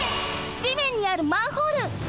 じめんにあるマンホール。